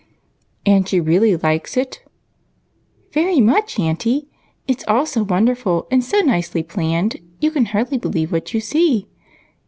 "And she really likes it?" " Very much, auntie ! It 's all so wonderful, and so nicely planned, you can hardly believe what you see.